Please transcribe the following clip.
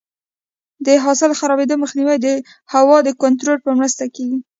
د حاصل د خرابېدو مخنیوی د هوا د کنټرول په مرسته کېږي.